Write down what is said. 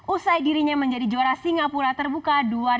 usai dirinya menjadi juara singapura terbuka dua ribu dua puluh